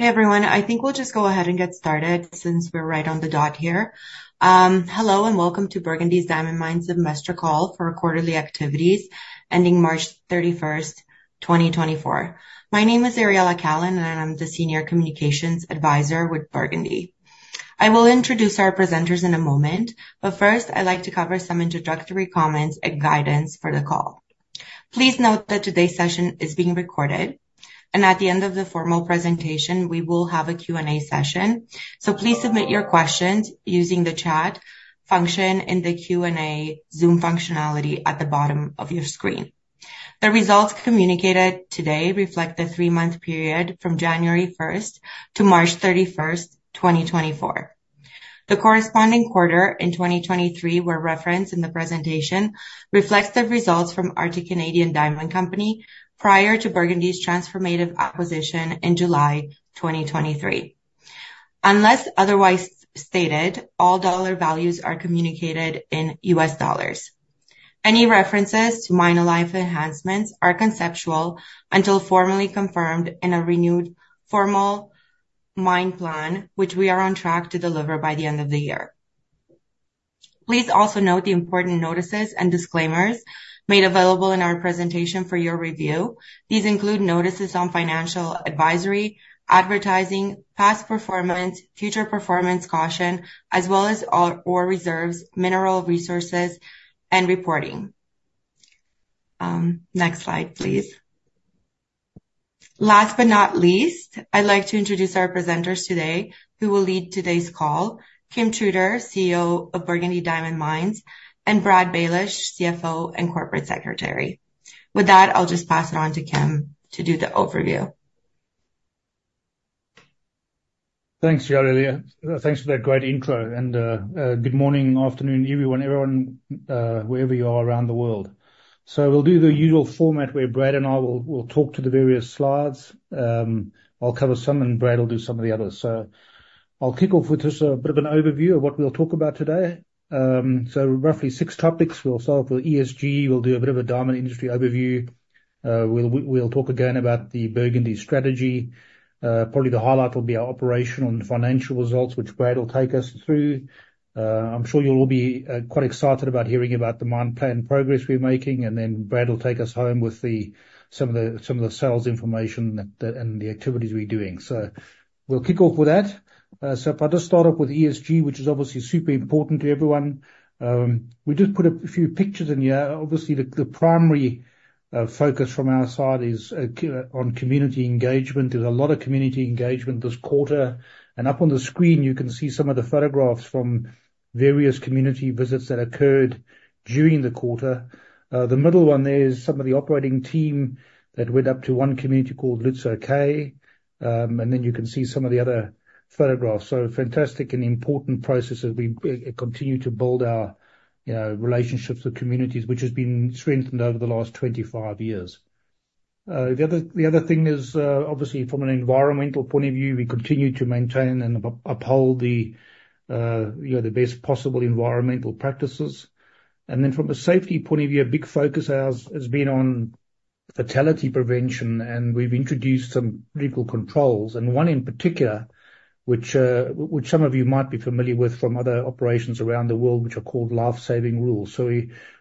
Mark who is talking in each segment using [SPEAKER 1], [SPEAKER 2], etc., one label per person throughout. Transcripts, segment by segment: [SPEAKER 1] Hey, everyone, I think we'll just go ahead and get started since we're right on the dot here. Hello, and welcome to Burgundy Diamond Mines' Quarterly Activities Call for the quarter ending 31 March, 2024. My name is Ariella Cohen, and I'm the Senior Communications Advisor with Burgundy. I will introduce our presenters in a moment, but first, I'd like to cover some introductory comments and guidance for the call. Please note that today's session is being recorded, and at the end of the formal presentation, we will have a Q&A session. Please submit your questions using the chat function in the Q&A Zoom functionality at the bottom of your screen. The results communicated today reflect the three-month period from 1 January to 31 March, 2024. The corresponding quarter in 2023 were referenced in the presentation, reflects the results from Arctic Canadian Diamond Company prior to Burgundy's transformative acquisition in July 2023. Unless otherwise stated, all dollar values are communicated in U.S. dollars. Any references to mine life enhancements are conceptual until formally confirmed in a renewed formal mine plan, which we are on track to deliver by the end of the year. Please also note the important notices and disclaimers made available in our presentation for your review. These include notices on financial advisory, advertising, past performance, future performance caution, as well as our reserves, mineral resources, and reporting. Next slide, please. Last but not least, I'd like to introduce our presenters today who will lead today's call. Kim Truter, CEO of Burgundy Diamond Mines, and Brad Baylis, CFO and Corporate Secretary. With that, I'll just pass it on to Kim to do the overview.
[SPEAKER 2] Thanks, Ariella. Thanks for that great intro, and good morning, afternoon, everyone, wherever you are around the world. So we'll do the usual format where Brad and I will talk to the various slides. I'll cover some, and Brad will do some of the others. So I'll kick off with just a bit of an overview of what we'll talk about today. So roughly six topics. We'll start with ESG. We'll do a bit of a diamond industry overview. We'll talk again about the Burgundy strategy. Probably the highlight will be our operational and financial results, which Brad will take us through. I'm sure you'll all be quite excited about hearing about the mine plan progress we're making, and then Brad will take us home with some of the sales information that and the activities we're doing. So we'll kick off with that. So if I just start off with ESG, which is obviously super important to everyone, we just put a few pictures in here. Obviously, the primary focus from our side is on community engagement. There's a lot of community engagement this quarter, and up on the screen, you can see some of the photographs from various community visits that occurred during the quarter. The middle one there is some of the operating team that went up to one community called Łutsel K'e. And then you can see some of the other photographs. So fantastic and important process as we continue to build our, you know, relationships with communities, which has been strengthened over the last 25 years. The other thing is, obviously from an environmental point of view, we continue to maintain and uphold the, you know, the best possible environmental practices. And then from a safety point of view, a big focus has been on fatality prevention, and we've introduced some critical controls, and one in particular, which some of you might be familiar with from other operations around the world, which are called Life-Saving Rules. So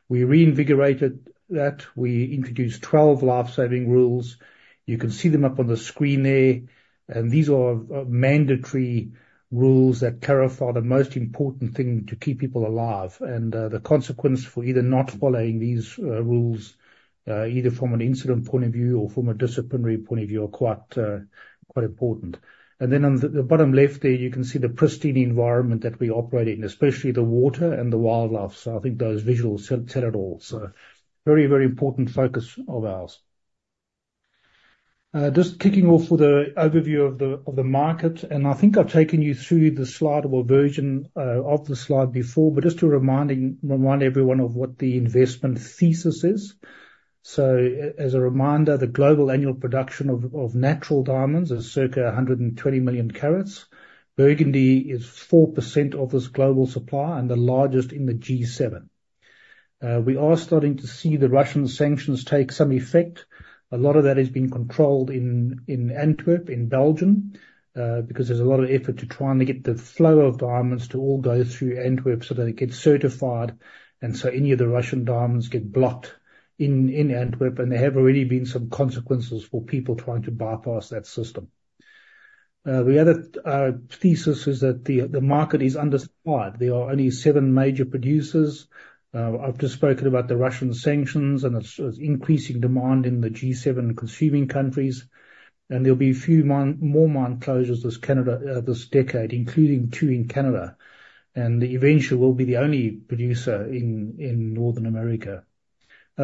[SPEAKER 2] we reinvigorated that. We introduced 12 Life-Saving Rules. You can see them up on the screen there, and these are mandatory rules that clarify the most important thing to keep people alive. And, the consequence for either not following these rules, either from an incident point of view or from a disciplinary point of view, are quite important. And then on the bottom left there, you can see the pristine environment that we operate in, especially the water and the wildlife. So I think those visuals say it all. So very, very important focus of ours. Just kicking off with an overview of the market, and I think I've taken you through the slidable version of the slide before, but just to remind everyone of what the investment thesis is. So as a reminder, the global annual production of natural diamonds is circa 100 million carats. Burgundy is 4% of this global supply and the largest in the G7. We are starting to see the Russian sanctions take some effect. A lot of that has been controlled in Antwerp, in Belgium, because there's a lot of effort to try and get the flow of diamonds to all go through Antwerp so that it gets certified. And so any of the Russian diamonds get blocked in Antwerp, and there have already been some consequences for people trying to bypass that system. The other thesis is that the market is undersupplied. There are only seven major producers. I've just spoken about the Russian sanctions, and it's increasing demand in the G7 consuming countries, and there'll be a few more mine closures in Canada this decade, including two in Canada, and eventually, we'll be the only producer in Northern America.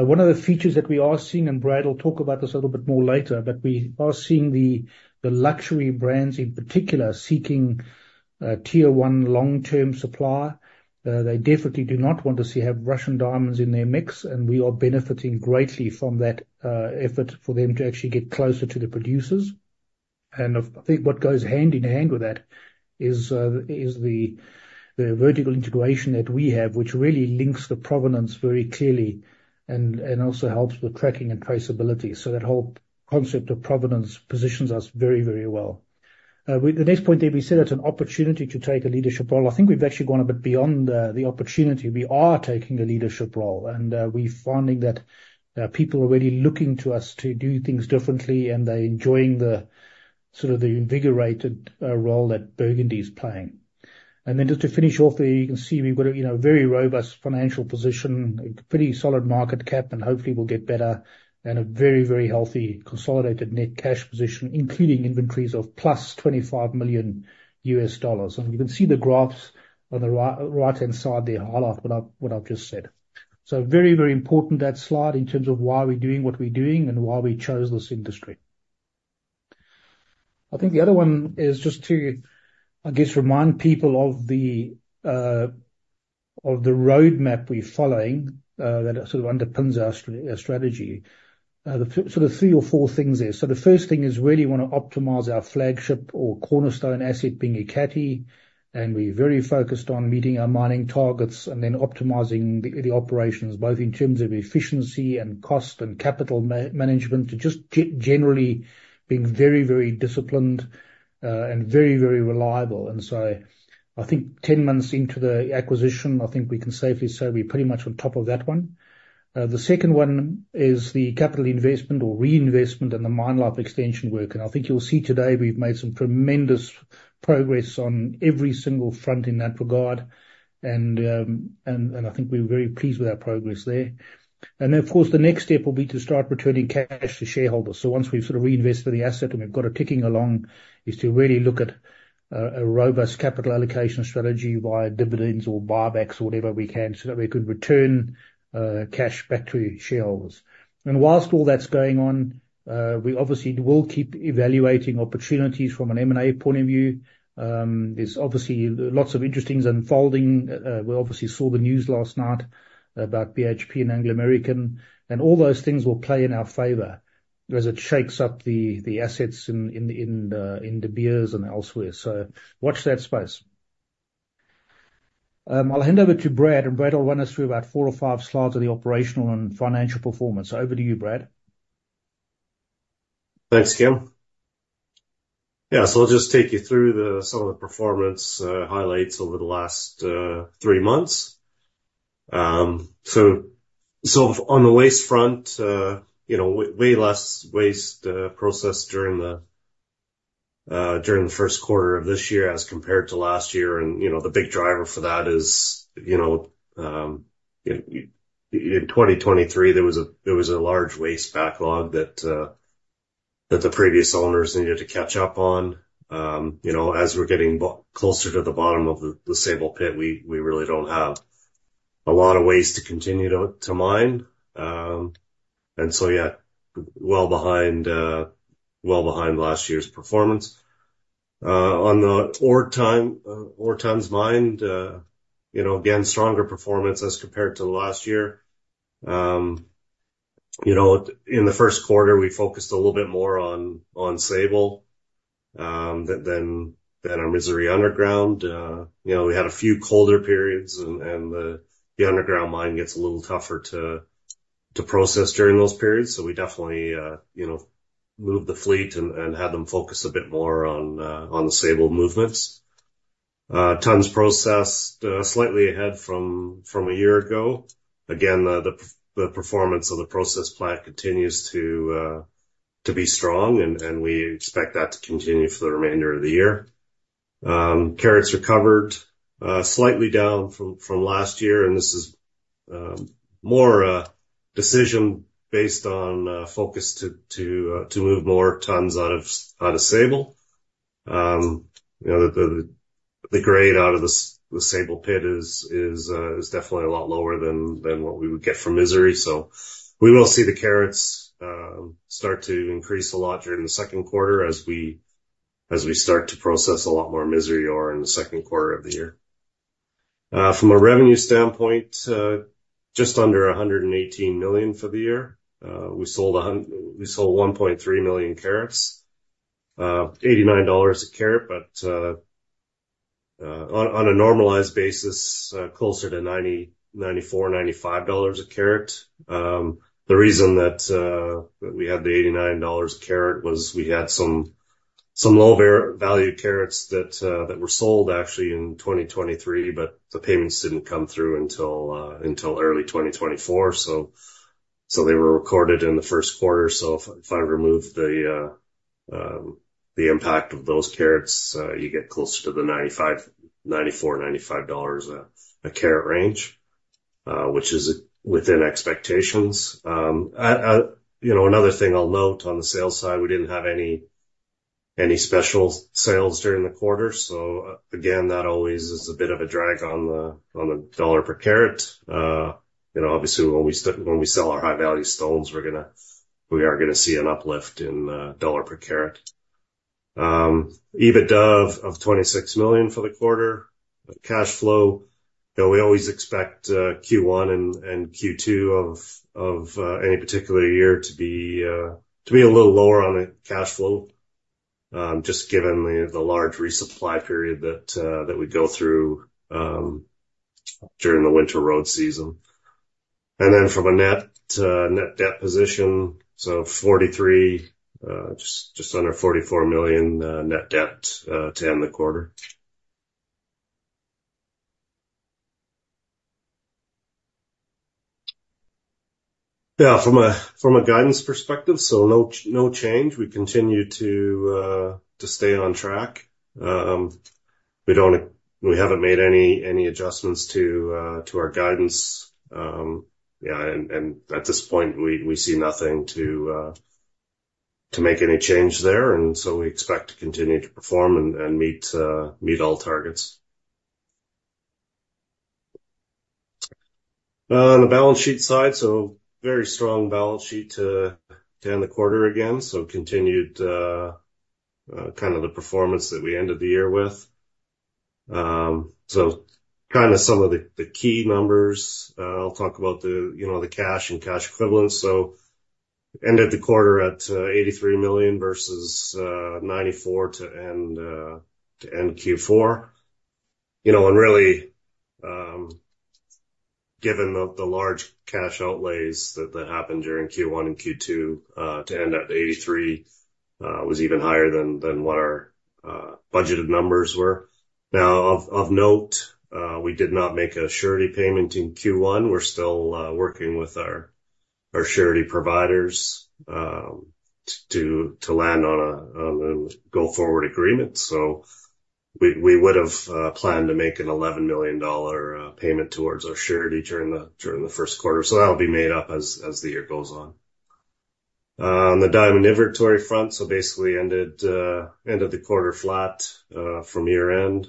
[SPEAKER 2] One of the features that we are seeing, and Brad will talk about this a little bit more later, but we are seeing the luxury brands, in particular, seeking Tier1 long-term supply. They definitely do not want to see, have Russian diamonds in their mix, and we are benefiting greatly from that effort for them to actually get closer to the producers. I think what goes hand in hand with that is the vertical integration that we have, which really links the provenance very clearly and also helps with tracking and traceability. So that whole concept of provenance positions us very, very well. We, the next point there, we said it's an opportunity to take a leadership role. I think we've actually gone a bit beyond the opportunity. We are taking a leadership role, and we're finding that people are really looking to us to do things differently, and they're enjoying the sort of the invigorated role that Burgundy is playing. And then just to finish off there, you can see we've got a, you know, very robust financial position, a pretty solid market cap, and hopefully will get better, and a very, very healthy, consolidated net cash position, including inventories of $25 million+. And you can see the graphs on the right, right-hand side there highlight what I've just said. So very, very important, that slide, in terms of why we're doing what we're doing and why we chose this industry. I think the other one is just to, I guess, remind people of the roadmap we're following, that sort of underpins our strategy. The sort of three or four things there. So the first thing is we really wanna optimize our flagship or cornerstone asset, being Ekati, and we're very focused on meeting our mining targets and then optimizing the operations, both in terms of efficiency and cost and capital management, to just generally being very, very disciplined and very, very reliable. And so I think 10 months into the acquisition, I think we can safely say we're pretty much on top of that one. The second one is the capital investment or reinvestment and the mine life extension work. And I think you'll see today, we've made some tremendous progress on every single front in that regard. I think we're very pleased with our progress there. And then, of course, the next step will be to start returning cash to shareholders. So once we've sort of reinvested in the asset and we've got it ticking along, is to really look at a robust capital allocation strategy via dividends or buybacks or whatever we can, so that we could return cash back to shareholders. And while all that's going on, we obviously will keep evaluating opportunities from an M&A point of view. There's obviously lots of interesting things unfolding. We obviously saw the news last night about BHP and Anglo American, and all those things will play in our favor as it shakes up the assets in the De Beers and elsewhere. So watch that space. I'll hand over to Brad, and Brad will run us through about four or five slides of the operational and financial performance. So over to you, Brad.
[SPEAKER 3] Thanks, Kim. Yeah, so I'll just take you through some of the performance highlights over the last three months. So on the waste front, you know, way less waste processed during the Q1 of this year as compared to last year. And you know, the big driver for that is, you know, in 2023, there was a large waste backlog that the previous owners needed to catch up on. You know, as we're getting closer to the bottom of the Sable pit, we really don't have a lot of waste to continue to mine. And so, yeah, well behind last year's performance. On the ore tons mined, you know, again, stronger performance as compared to last year. You know, in the Q1, we focused a little bit more on Sable than on Misery underground. You know, we had a few colder periods and the underground mine gets a little tougher to process during those periods. So we definitely, you know, moved the fleet and had them focus a bit more on the Sable movements. Tons processed slightly ahead from a year ago. Again, the performance of the process plant continues to be strong, and we expect that to continue for the remainder of the year. Carats recovered slightly down from last year, and this is more decision based on focus to move more tons out of Sable. You know, the grade out of the Sable pit is definitely a lot lower than what we would get from Misery. So we will see the carats start to increase a lot during the Q2 as we start to process a lot more Misery ore in the Q2 of the year. From a revenue standpoint, just under $118 million for the year. We sold 1.3 million carats, $89 a carat, but on a normalized basis, closer to $90, $94, $95 a carat. The reason that that we had the $89 a carat was we had some low-value carats that that were sold actually in 2023, but the payments didn't come through until until early 2024, so they were recorded in the Q1. So if I remove the impact of those carats, you get closer to the $95, $94, $95 a carat range, which is within expectations. You know, another thing I'll note on the sales side, we didn't have any special sales during the quarter, so again, that always is a bit of a drag on the $ per carat. You know, obviously, when we sell our high-value stones, we're gonna see an uplift in $ per carat. EBITDA of $26 million for the quarter. So we always expect Q1 and Q2 of any particular year to be a little lower on the cash flow, just given the large resupply period that we go through during the winter road season. And then from a net debt position, so $43, just under $44 million net debt to end the quarter. Yeah, from a guidance perspective, so no change. We continue to stay on track. We don't, we haven't made any adjustments to our guidance. Yeah, and at this point, we see nothing to make any change there, and so we expect to continue to perform and meet all targets. On the balance sheet side, so very strong balance sheet to end the quarter again. So continued kind of the performance that we ended the year with. So kind of some of the key numbers, I'll talk about the, you know, the cash and cash equivalents. So ended the quarter at $83 million versus $94 million to end Q4. You know, and really, given the large cash outlays that happened during Q1 and Q2, to end at $83 million was even higher than what our budgeted numbers were. Now, of note, we did not make a surety payment in Q1. We're still working with our surety providers to land on a go-forward agreement. So we would've planned to make an $11 million payment towards our surety during the Q1. So that'll be made up as the year goes on. On the diamond inventory front, so basically ended the quarter flat from year-end.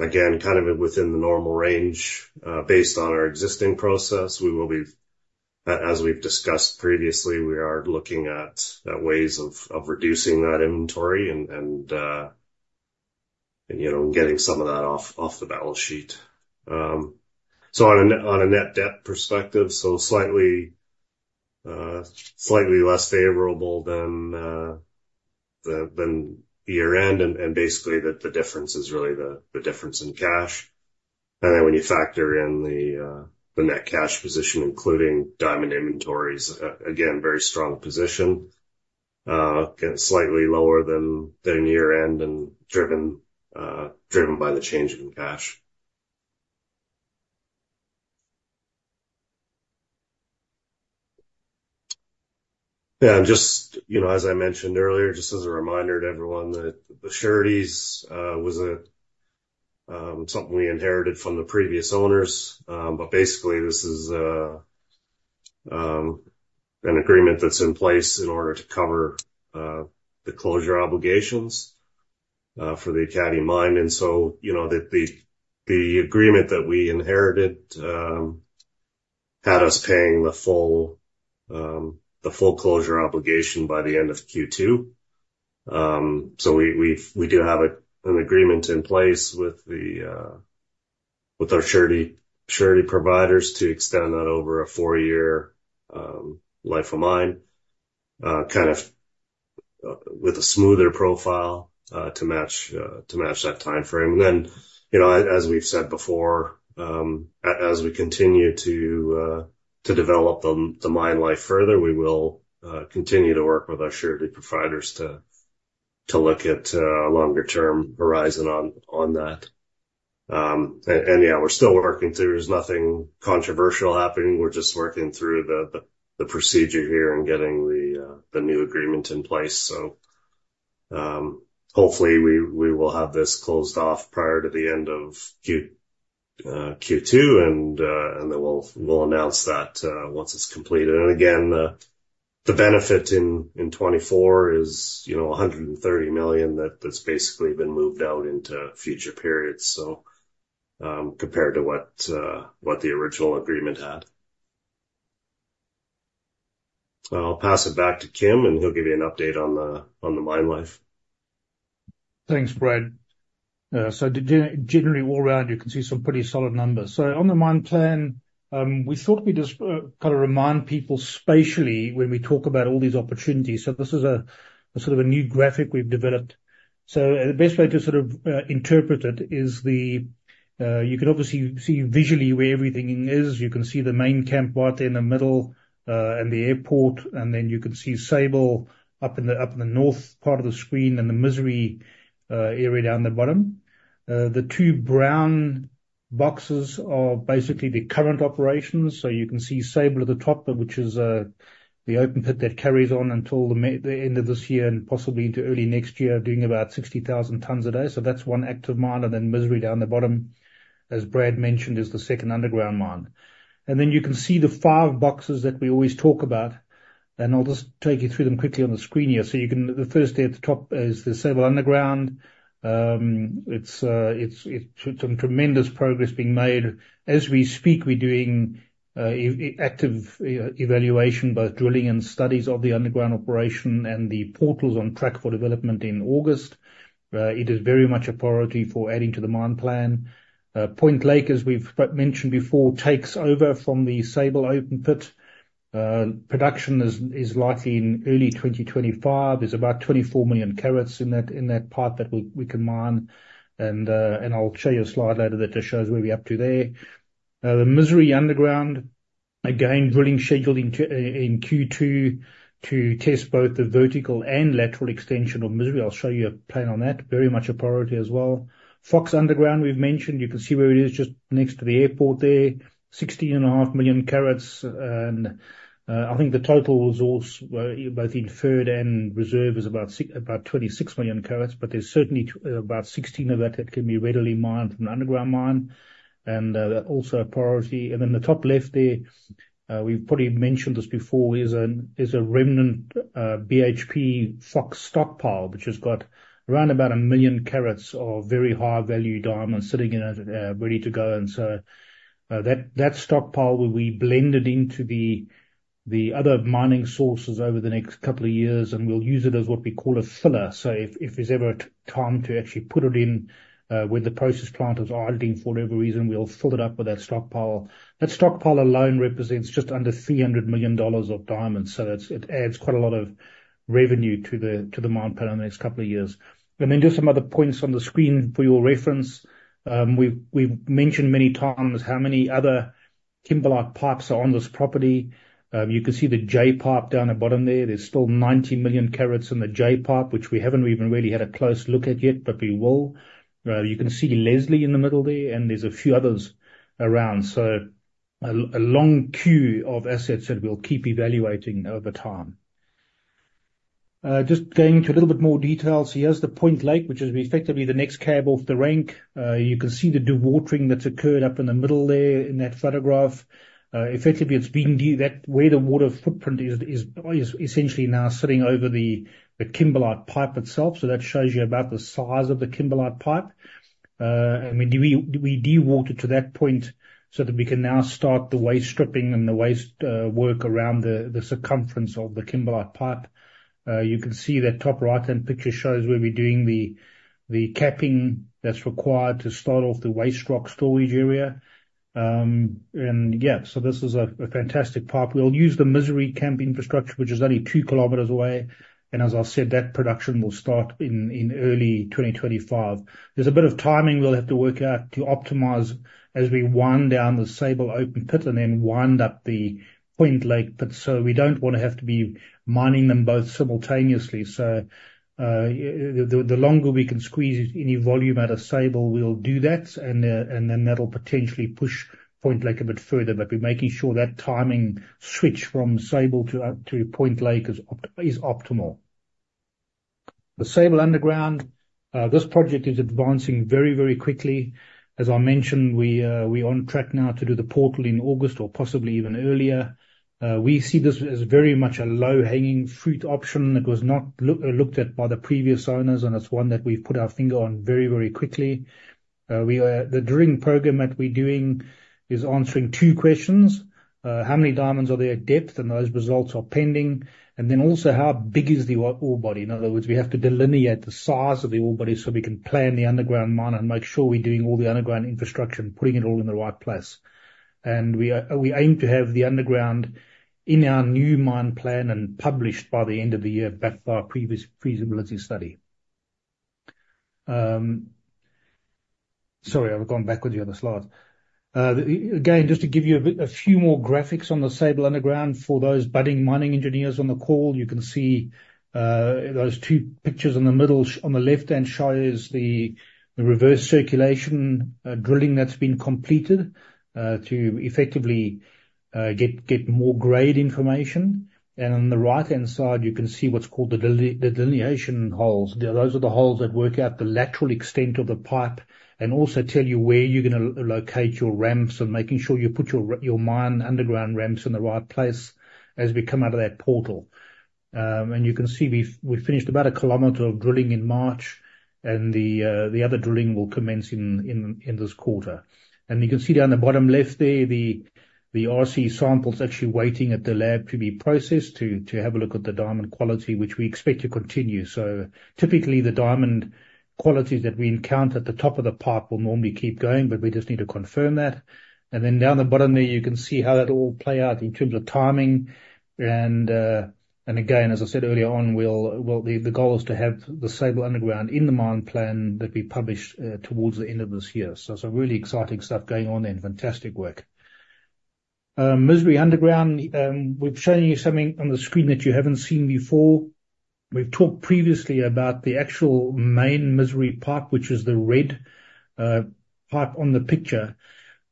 [SPEAKER 3] Again, kind of within the normal range based on our existing process. We will be as we've discussed previously, we are looking at ways of reducing that inventory and, you know, getting some of that off the balance sheet. So on a net debt perspective, so slightly less favorable than year-end, and basically that the difference is really the difference in cash. Then when you factor in the net cash position, including diamond inventories, again, very strong position, again, slightly lower than year-end, and driven by the change in cash. Yeah, just, you know, as I mentioned earlier, just as a reminder to everyone that the sureties was something we inherited from the previous owners. But basically, this is an agreement that's in place in order to cover the closure obligations for the Ekati mine. And so, you know, the agreement that we inherited had us paying the full closure obligation by the end of Q2. So we've got an agreement in place with our surety providers to extend that over a four-year life of mine kind of with a smoother profile to match that timeframe. Then, you know, as we've said before, as we continue to develop the mine life further, we will continue to work with our surety providers to look at a longer-term horizon on that. And yeah, we're still working through. There's nothing controversial happening. We're just working through the procedure here and getting the new agreement in place. So, hopefully we will have this closed off prior to the end of Q2, and then we'll announce that once it's completed. And again, the benefit in 2024 is, you know, $130 million that's basically been moved out into future periods, so, compared to what the original agreement had. I'll pass it back to Kim, and he'll give you an update on the mine life.
[SPEAKER 2] Thanks, Brad. Generally all around, you can see some pretty solid numbers. So on the mine plan, we thought we'd just kind of remind people spatially when we talk about all these opportunities. So this is a sort of a new graphic we've developed. So the best way to sort of interpret it is you can obviously see visually where everything is. You can see the main camp right there in the middle, and the airport, and then you can see Sable up in the north part of the screen, and the Misery area down the bottom. The two brown boxes are basically the current operations, so you can see Sable at the top, which is the open pit that carries on until the end of this year and possibly into early next year, doing about 60,000 tons a day. So that's one active mine, and then Misery down the bottom, as Brad mentioned, is the second underground mine. Then you can see the 5 boxes that we always talk about, and I'll just take you through them quickly on the screen here. So the first thing at the top is the Sable Underground. It's some tremendous progress being made. As we speak, we're doing active evaluation, both drilling and studies of the underground operation, and the portal's on track for development in August. It is very much a priority for adding to the mine plan. Point Lake, as we've mentioned before, takes over from the Sable open pit. Production is likely in early 2025. There's about 24 million carats in that pit that we can mine, and I'll show you a slide later that just shows where we're up to there. The Misery Underground. Again, drilling scheduled in Q2 to test both the vertical and lateral extension of Misery. I'll show you a plan on that. Very much a priority as well. Fox Underground, we've mentioned, you can see where it is, just next to the airport there. 16.5 million carats, and, I think the total resource, both inferred and reserved, is about 26 million carats, but there's certainly about 16 of that, that can be readily mined from an underground mine, and, they're also a priority. And then the top left there, we've probably mentioned this before, is, there's a remnant, BHP Fox stockpile, which has got around about 1 million carats of very high-value diamonds sitting in it, ready to go. And so, that, that stockpile will be blended into the, the other mining sources over the next couple of years, and we'll use it as what we call a filler. So if, if there's ever a time to actually put it in, where the process plant is idling for whatever reason, we'll fill it up with that stockpile. That stockpile alone represents just under $300 million of diamonds, so it adds quite a lot of revenue to the mine plan in the next couple of years. And then just some other points on the screen for your reference. We've mentioned many times how many other kimberlite pipes are on this property. You can see the Jay pipe down the bottom there. There's still 90 million carats in the Jay pipe, which we haven't even really had a close look at yet, but we will. You can see Leslie in the middle there, and there's a few others around. So a long queue of assets that we'll keep evaluating over time. Just going into a little bit more detail. So here's the Point Lake, which is effectively the next cab off the rank. You can see the dewatering that's occurred up in the middle there in that photograph. Effectively, it's been where the water footprint is essentially now sitting over the kimberlite pipe itself. So that shows you about the size of the kimberlite pipe. And we dewatered to that point so that we can now start the waste stripping and the waste work around the circumference of the kimberlite pipe. You can see that top right-hand picture shows where we're doing the capping that's required to start off the waste rock storage area. And yeah, so this is a fantastic pipe. We'll use the Misery camp infrastructure, which is only two kilometers away, and as I said, that production will start in early 2025. There's a bit of timing we'll have to work out to optimize as we wind down the Sable open pit and then wind up the Point Lake pit, so we don't want to have to be mining them both simultaneously. So, the longer we can squeeze any volume out of Sable, we'll do that, and then that'll potentially push Point Lake a bit further. But we're making sure that timing switch from Sable to Point Lake is optimal. The Sable underground, this project is advancing very, very quickly. As I mentioned, we're on track now to do the portal in August or possibly even earlier. We see this as very much a low-hanging fruit option that was not looked at by the previous owners, and it's one that we've put our finger on very, very quickly. The drilling program that we're doing is answering two questions: how many diamonds are there at depth? And those results are pending. And then also, how big is the ore body? In other words, we have to delineate the size of the ore body so we can plan the underground mine and make sure we're doing all the underground infrastructure and putting it all in the right place. We aim to have the underground in our new mine plan and published by the end of the year, back to our previous feasibility study. Sorry, I've gone back with the other slides. Again, just to give you a few more graphics on the Sable Underground for those budding mining engineers on the call. You can see those two pictures in the middle. On the left-hand side is the reverse circulation drilling that's been completed to effectively get more grade information. And on the right-hand side, you can see what's called the delineation holes. Those are the holes that work out the lateral extent of the pipe and also tell you where you're gonna locate your ramps and making sure you put your mine underground ramps in the right place as we come out of that portal. And you can see we've finished about a kilometer of drilling in March, and the other drilling will commence in this quarter. And you can see down the bottom left there, the RC samples actually waiting at the lab to be processed to have a look at the diamond quality, which we expect to continue. So typically, the diamond qualities that we encounter at the top of the pipe will normally keep going, but we just need to confirm that. And then down the bottom there, you can see how that'll all play out in terms of timing. And again, as I said earlier on, well, the goal is to have the Sable Underground in the mine plan that we publish, towards the end of this year. So some really exciting stuff going on and fantastic work. Misery Underground, we've shown you something on the screen that you haven't seen before. We've talked previously about the actual main Misery pipe, which is the red pipe on the picture.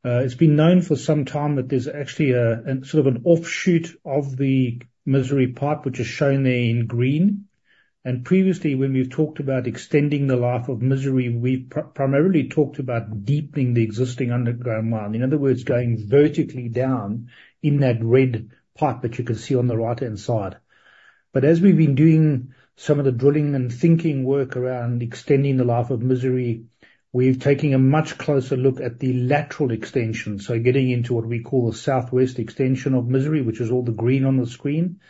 [SPEAKER 2] It's been known for some time that there's actually a sort of an offshoot of the Misery pipe, which is shown there in green. Previously, when we've talked about extending the life of Misery, we've primarily talked about deepening the existing underground mine. In other words, going vertically down in that red pipe that you can see on the right-hand side. But as we've been doing some of the drilling and thinking work around extending the life of Misery, we've taken a much closer look at the lateral extension, so getting into what we call the southwest extension of Misery, which is all the green on the screen.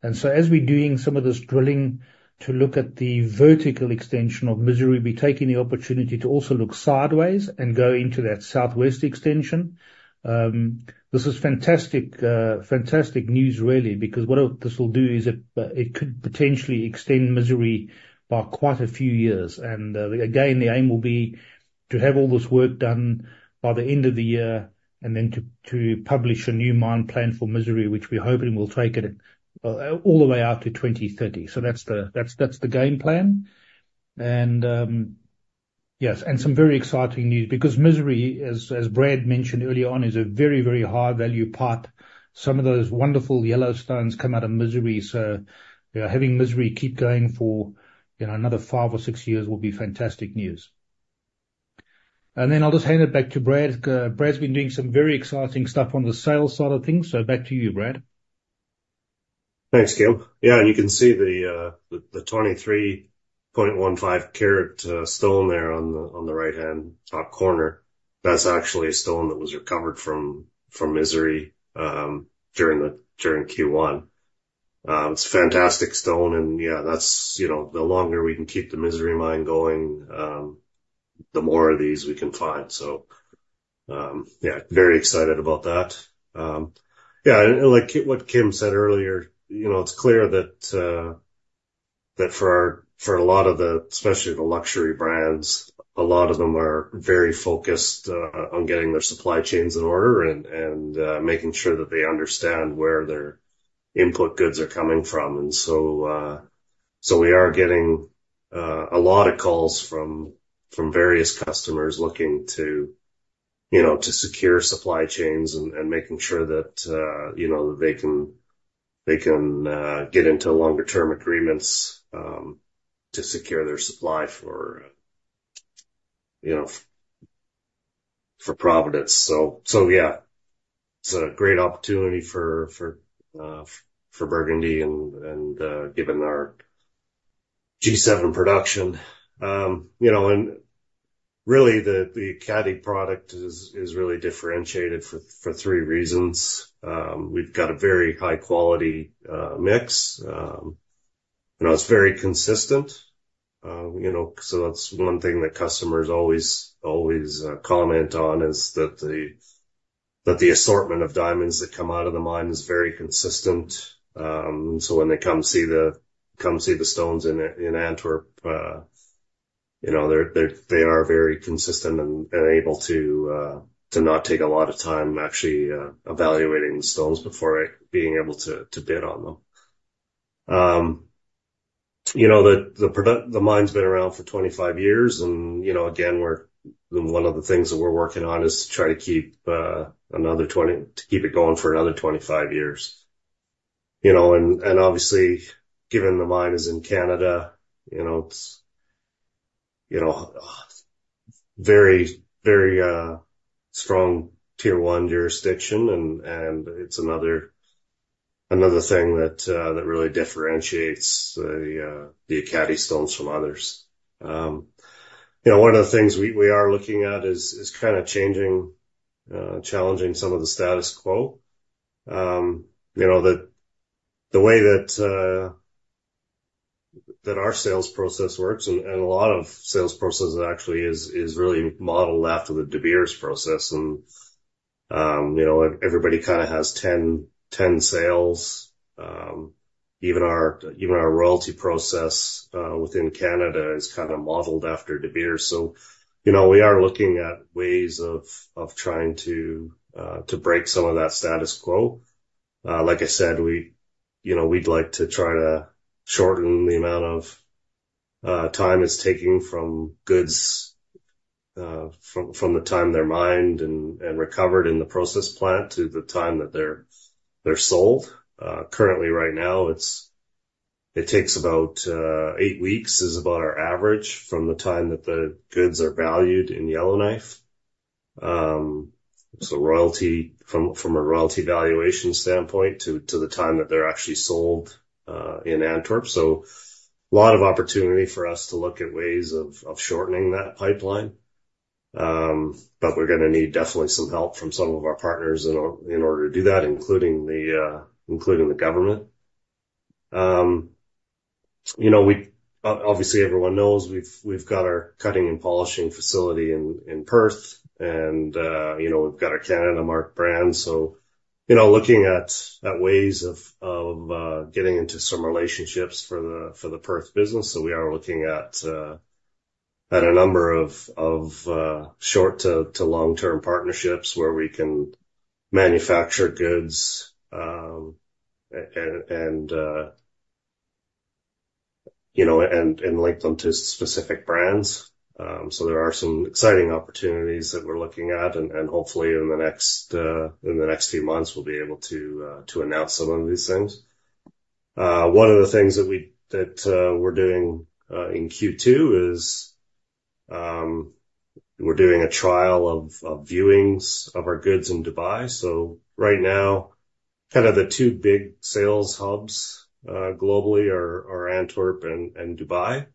[SPEAKER 2] And so as we're doing some of this drilling to look at the vertical extension of Misery, we're taking the opportunity to also look sideways and go into that southwest extension. This is fantastic, fantastic news, really, because what this will do is it could potentially extend Misery by quite a few years. And, again, the aim will be to have all this work done by the end of the year, and then to publish a new mine plan for Misery, which we're hoping will take it all the way out to 2030. So that's the game plan. And... Yes, and some very exciting news, because Misery, as Brad mentioned early on, is a very, very high-value pipe. Some of those wonderful yellow stones come out of Misery. So yeah, having Misery keep going for, you know, another five or six years will be fantastic news. And then I'll just hand it back to Brad. Brad's been doing some very exciting stuff on the sales side of things. So back to you, Brad.
[SPEAKER 3] Thanks, Kim. Yeah, and you can see the 23.15 carat stone there on the right-hand top corner. That's actually a stone that was recovered from Misery during Q1. It's a fantastic stone and, yeah, that's, you know, the longer we can keep the Misery mine going, the more of these we can find. So, yeah, very excited about that. Yeah, and like what Kim said earlier, you know, it's clear that for our—for a lot of the, especially the luxury brands, a lot of them are very focused on getting their supply chains in order and making sure that they understand where their input goods are coming from. So we are getting a lot of calls from various customers looking to, you know, to secure supply chains and making sure that, you know, they can get into longer-term agreements to secure their supply for, you know, for provenance. So yeah, it's a great opportunity for Burgundy and given our G7 production. You know, and really, the Ekati product is really differentiated for three reasons. We've got a very high-quality mix. You know, it's very consistent. You know, so that's one thing that customers always comment on, is that the assortment of diamonds that come out of the mine is very consistent. So when they come see the stones in Antwerp, you know, they are very consistent and able to not take a lot of time actually evaluating the stones before being able to bid on them. You know, the mine's been around for 25 years, and again, one of the things that we're working on is to try to keep it going for another 25 years. You know, and obviously, given the mine is in Canada, you know, it's very strong Tier 1 jurisdiction, and it's another thing that really differentiates the Ekati stones from others. You know, one of the things we are looking at is kind of changing, challenging some of the status quo. You know, the way that our sales process works, and a lot of sales processes actually is really modeled after the De Beers process. And, you know, everybody kind of has 10 sales. Even our royalty process within Canada is kind of modeled after De Beers. So, you know, we are looking at ways of trying to break some of that status quo. Like I said, we, you know, we'd like to try to shorten the amount of time it's taking from goods, from the time they're mined and recovered in the process plant to the time that they're sold. Currently, right now, it's, it takes about 8 weeks, is about our average from the time that the goods are valued in Yellowknife. So royalty from a royalty valuation standpoint to the time that they're actually sold in Antwerp. So a lot of opportunity for us to look at ways of shortening that pipeline. But we're gonna need definitely some help from some of our partners in order to do that, including the government. You know, obviously, everyone knows we've got our cutting and polishing facility in Perth, and you know, we've got our CanadaMark brand. So, you know, looking at ways of getting into some relationships for the Perth business. So we are looking at a number of short- to long-term partnerships where we can manufacture goods, and you know, and link them to specific brands. So there are some exciting opportunities that we're looking at, and hopefully in the next few months, we'll be able to announce some of these things. One of the things that we're doing in Q2 is we're doing a trial of viewings of our goods in Dubai. So right now, kind of the two big sales hubs globally are Antwerp and Dubai.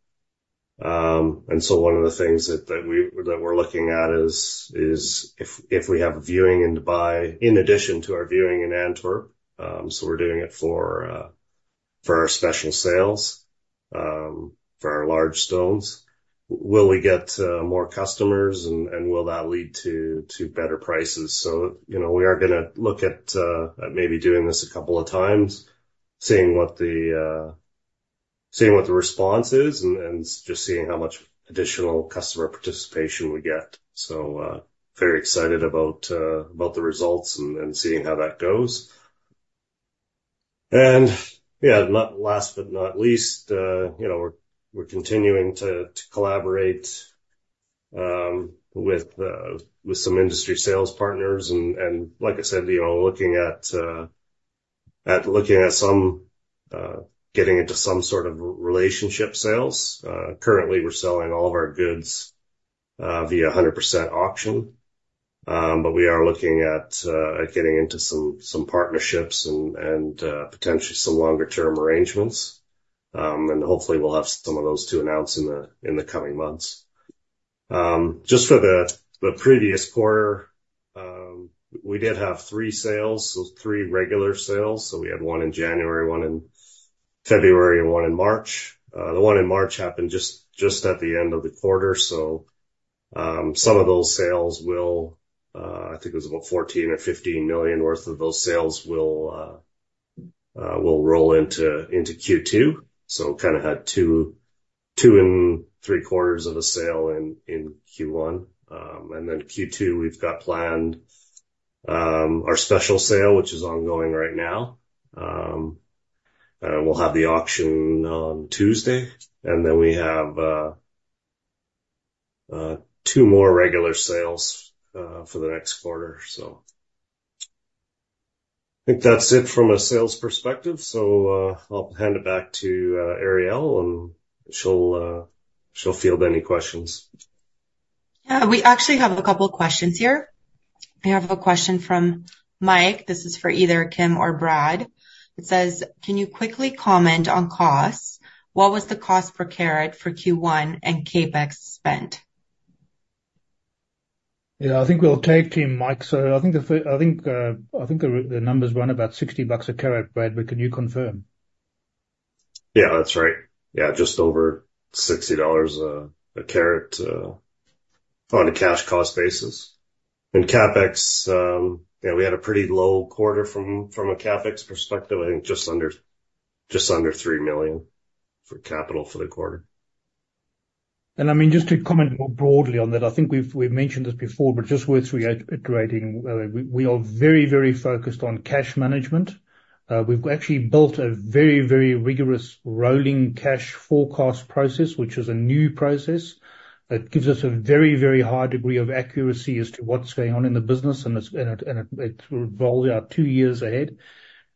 [SPEAKER 3] And so one of the things that we're looking at is if we have a viewing in Dubai, in addition to our viewing in Antwerp, so we're doing it for our special sales, for our large stones. Will we get more customers, and will that lead to better prices? So, you know, we are gonna look at maybe doing this a couple of times, seeing what the response is, and just seeing how much additional customer participation we get. So, very excited about the results and seeing how that goes. And yeah, not last but not least, you know, we're continuing to collaborate with some industry sales partners. Like I said, you know, looking at some sort of relationship sales. Currently, we're selling all of our goods via 100% auction. But we are looking at getting into some partnerships and potentially some longer term arrangements. And hopefully we'll have some of those to announce in the coming months. Just for the previous quarter, we did have three sales, so three regular sales. So we had one in January, one in February, and one in March. The one in March happened just at the end of the quarter. So some of those sales will, I think it was about $14 million or $15 million worth of those sales will roll into Q2. So kind of had 2.75 of a sale in Q1. And then Q2, we've got planned our special sale, which is ongoing right now. We'll have the auction on Tuesday, and then we have 2 more regular sales for the next quarter. So I think that's it from a sales perspective. So, I'll hand it back to Ariella, and she'll field any questions.
[SPEAKER 1] Yeah, we actually have a couple questions here. We have a question from Mike. This is for either Kim or Brad. It says: Can you quickly comment on costs? What was the cost per carat for Q1 and CapEx spent?
[SPEAKER 2] Yeah, I think we'll take him, Mike. So I think the numbers run about $60 a carat, Brad, but can you confirm?
[SPEAKER 3] Yeah, that's right. Yeah, just over $60 a carat on a cash cost basis. CapEx, yeah, we had a pretty low quarter from a CapEx perspective. I think just under $3 million for capital for the quarter.
[SPEAKER 2] And I mean, just to comment more broadly on that, I think we've mentioned this before, but just worth reiterating. We are very, very focused on cash management. We've actually built a very, very rigorous rolling cash forecast process, which is a new process that gives us a very, very high degree of accuracy as to what's going on in the business, and it will roll out two years ahead.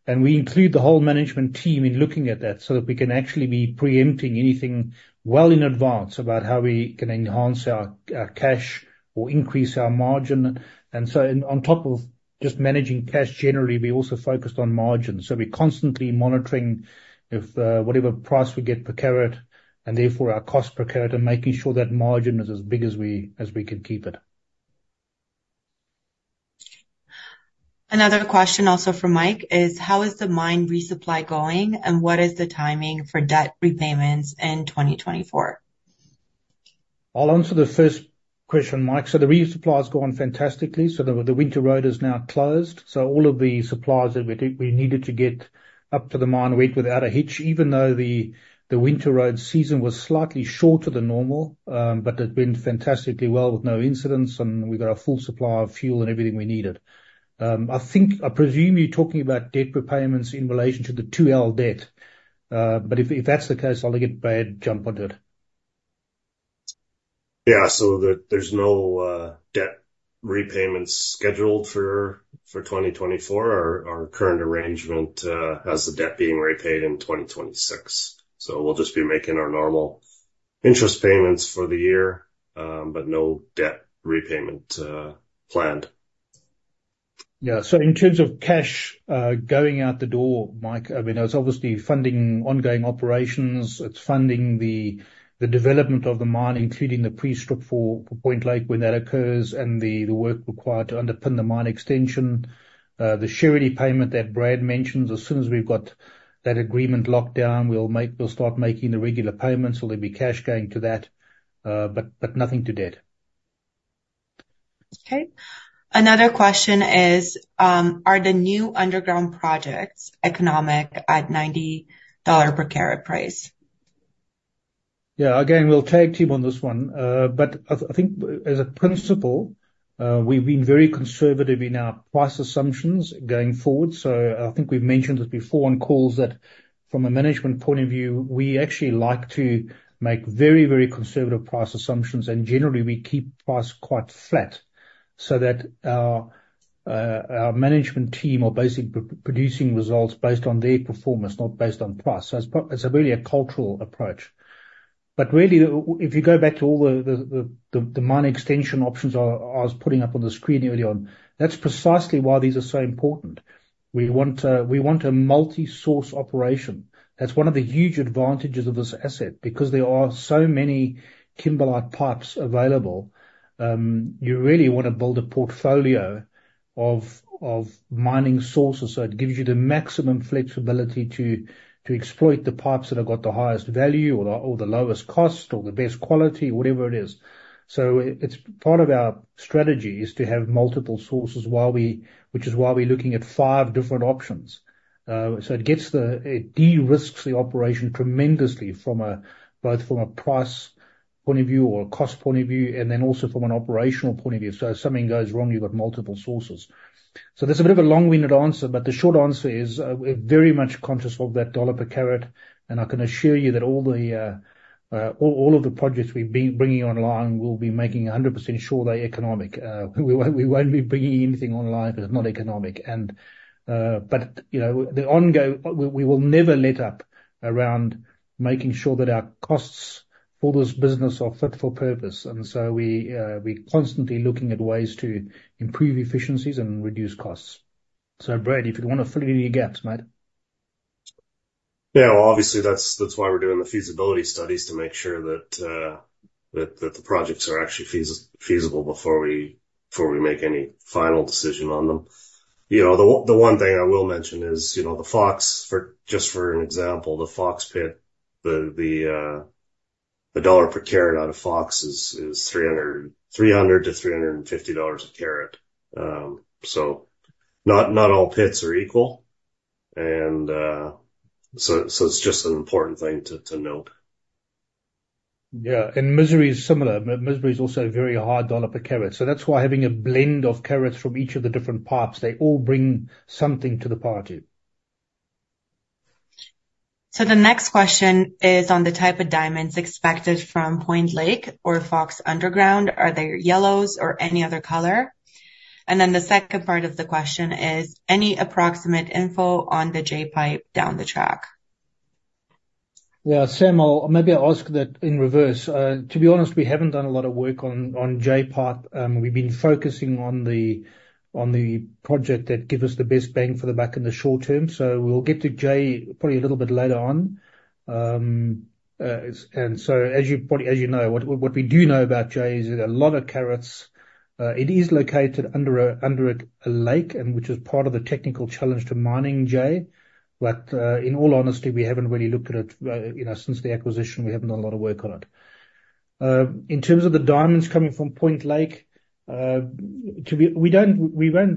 [SPEAKER 2] And we include the whole management team in looking at that, so that we can actually be preempting anything well in advance about how we can enhance our cash or increase our margin. And so on top of just managing cash, generally, we also focused on margin. We're constantly monitoring whatever price we get per carat, and therefore our cost per carat, and making sure that margin is as big as we can keep it.
[SPEAKER 1] Another question, also from Mike, is: How is the mine resupply going, and what is the timing for debt repayments in 2024?
[SPEAKER 2] I'll answer the first question, Mike. So the resupply has gone fantastically. So the winter road is now closed, so all of the supplies that we needed to get up to the mine went without a hitch, even though the winter road season was slightly shorter than normal. But it's been fantastically well with no incidents, and we got a full supply of fuel and everything we needed. I think, I presume you're talking about debt repayments in relation to the 2L debt, but if that's the case, I'll let Brad jump onto it.
[SPEAKER 3] Yeah. So there's no debt repayment scheduled for 2024. Our current arrangement has the debt being repaid in 2026. So we'll just be making our normal interest payments for the year, but no debt repayment planned.
[SPEAKER 2] Yeah. So in terms of cash going out the door, Mike, I mean, it's obviously funding ongoing operations. It's funding the development of the mine, including the pre-strip for Point Lake when that occurs, and the work required to underpin the mine extension. The surety payment that Brad mentioned, as soon as we've got that agreement locked down, we'll start making the regular payments, so there'll be cash going to that, but nothing to debt.
[SPEAKER 1] Okay. Another question is: Are the new underground projects economic at $90 per carat price?
[SPEAKER 2] Yeah. Again, we'll tag team on this one. But I think as a principle, we've been very conservative in our price assumptions going forward. So I think we've mentioned this before on calls, that from a management point of view, we actually like to make very, very conservative price assumptions, and generally, we keep price quite flat, so that our management team are basically producing results based on their performance, not based on price. So it's really a cultural approach. But really, if you go back to all the mining extension options I was putting up on the screen earlier on, that's precisely why these are so important. We want a multi-source operation. That's one of the huge advantages of this asset, because there are so many kimberlite pipes available. You really want to build a portfolio of mining sources, so it gives you the maximum flexibility to exploit the pipes that have got the highest value or the lowest cost or the best quality, whatever it is. So it's part of our strategy is to have multiple sources, which is why we're looking at five different options. So it de-risks the operation tremendously from both a price point of view or cost point of view, and then also from an operational point of view. So if something goes wrong, you've got multiple sources. So that's a bit of a long-winded answer, but the short answer is, we're very much conscious of that $ per carat, and I can assure you that all of the projects we've been bringing online, we'll be making 100% sure they're economic. We won't, we won't be bringing anything online that is not economic. But you know, the ongoing—we will never let up around making sure that our costs for this business are fit for purpose, and so we're constantly looking at ways to improve efficiencies and reduce costs. So Brad, if you'd wanna fill in any gaps, mate.
[SPEAKER 3] Yeah, obviously, that's, that's why we're doing the feasibility studies, to make sure that, that the projects are actually feasible before we, before we make any final decision on them. You know, the one thing I will mention is, you know, the Fox, for, just for an example, the Fox pit, the, the, the $ per carat out of Fox is, is $300-$350 a carat. So not, not all pits are equal, and, so, so it's just an important thing to, to note.
[SPEAKER 2] Yeah, and Misery is similar, but Misery is also a very hard $ per carat. So that's why having a blend of carats from each of the different pipes, they all bring something to the party.
[SPEAKER 1] The next question is on the type of diamonds expected from Point Lake or Fox Underground. Are they yellows or any other color? And then the second part of the question is, any approximate info on the J-pipe down the track?
[SPEAKER 2] Yeah, Sam, I'll maybe ask that in reverse. To be honest, we haven't done a lot of work on J-pipe. We've been focusing on the project that give us the best bang for the buck in the short term. So we'll get to J probably a little bit later on. And so as you probably know, what we do know about J is that a lot of carats, it is located under a lake, and which is part of the technical challenge to mining J. But in all honesty, we haven't really looked at it, you know, since the acquisition, we haven't done a lot of work on it. In terms of the diamonds coming from Point Lake, to be... We don't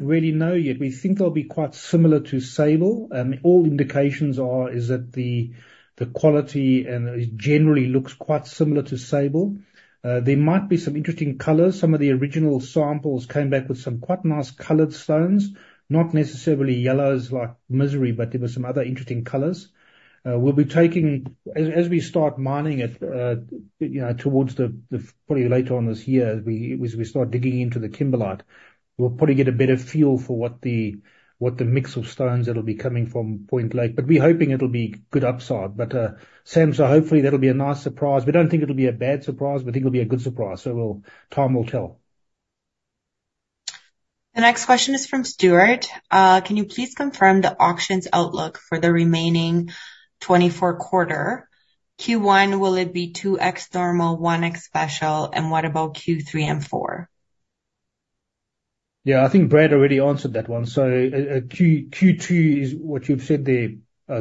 [SPEAKER 2] really know yet. We think they'll be quite similar to Sable. All indications are that the quality and it generally looks quite similar to Sable. There might be some interesting colors. Some of the original samples came back with some quite nice colored stones, not necessarily yellows like Misery, but there were some other interesting colors. We'll be taking... As we start mining it, you know, towards the probably later on this year, as we start digging into the kimberlite, we'll probably get a better feel for what the mix of stones that'll be coming from Point Lake. But we're hoping it'll be good upside. But, Sam, so hopefully, that'll be a nice surprise. We don't think it'll be a bad surprise, but we think it'll be a good surprise. So we'll, time will tell.
[SPEAKER 1] The next question is from Stuart. Can you please confirm the auctions outlook for the remaining 2024 quarter? Q1, will it be 2x normal, 1x special, and what about Q3 and four?
[SPEAKER 2] Yeah, I think Brad already answered that one. So, Q2 is what you've said there,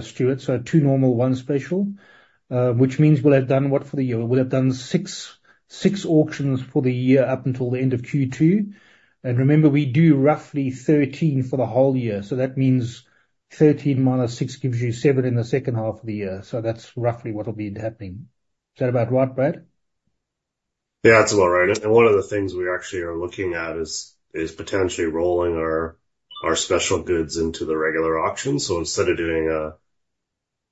[SPEAKER 2] Stuart, so 2 normal, 1 special. Which means we'll have done what for the year? We'll have done 6 auctions for the year up until the end of Q2. And remember, we do roughly 13 for the whole year, so that means 13 minus 6 gives you 7 in the H2 of the year. So that's roughly what will be happening. Is that about right, Brad?
[SPEAKER 3] Yeah, that's about right. And one of the things we actually are looking at is potentially rolling our special goods into the regular auction. So instead of doing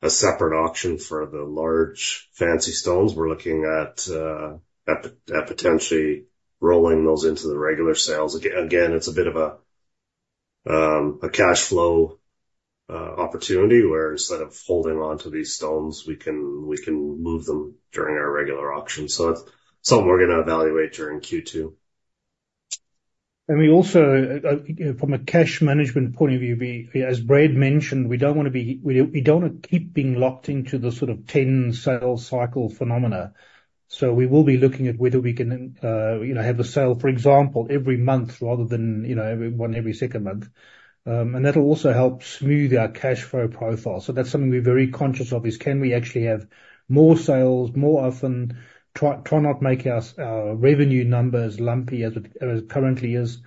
[SPEAKER 3] a separate auction for the large fancy stones, we're looking at potentially rolling those into the regular sales. Again, it's a bit of a cash flow opportunity, where instead of holding onto these stones, we can move them during our regular auction. So it's something we're gonna evaluate during Q2.
[SPEAKER 2] We also, from a cash management point of view, as Brad mentioned, we don't wanna be—we don't wanna keep being locked into the sort of 10-sale cycle phenomena. So we will be looking at whether we can, you know, have a sale, for example, every month, rather than, you know, every one every second month. And that'll also help smooth our cash flow profile. So that's something we're very conscious of, is can we actually have more sales, more often, try not make our revenue numbers lumpy as it currently is.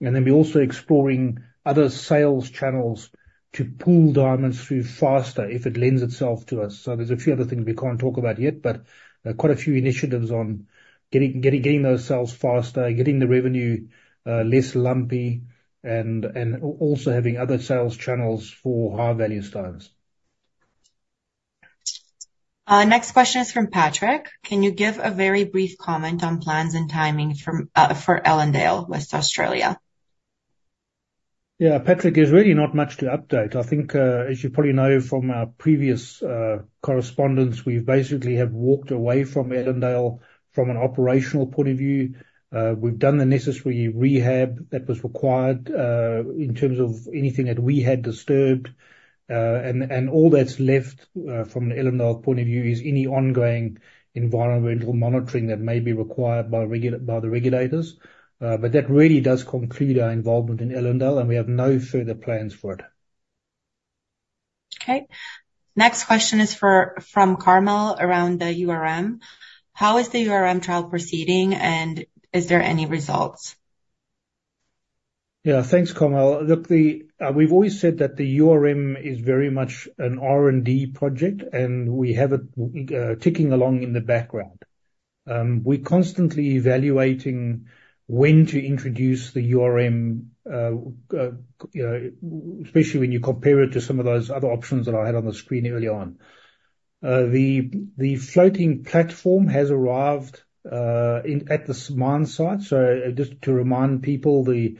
[SPEAKER 2] And then we're also exploring other sales channels to pull diamonds through faster if it lends itself to us. There's a few other things we can't talk about yet, but quite a few initiatives on getting those sales faster, getting the revenue less lumpy, and also having other sales channels for high-value stones.
[SPEAKER 1] Next question is from Patrick. Can you give a very brief comment on plans and timing for Ellendale, Western Australia?
[SPEAKER 2] Yeah, Patrick, there's really not much to update. I think, as you probably know from our previous correspondence, we basically have walked away from Ellendale from an operational point of view. We've done the necessary rehab that was required, in terms of anything that we had disturbed. And all that's left, from an Ellendale point of view, is any ongoing environmental monitoring that may be required by the regulators. But that really does conclude our involvement in Ellendale, and we have no further plans for it.
[SPEAKER 1] Okay. Next question is from Kamal around the URM. How is the URM trial proceeding, and is there any results?...
[SPEAKER 2] Yeah, thanks, Kamal. Look, the, we've always said that the URM is very much an R&D project, and we have it ticking along in the background. We're constantly evaluating when to introduce the URM, you know, especially when you compare it to some of those other options that I had on the screen early on. The floating platform has arrived in at this mine site. So just to remind people, the